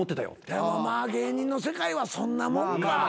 でも芸人の世界はそんなもんか。